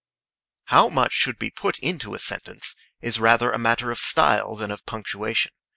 How much should be put into a sentence is rather a matter of style than of punctuation.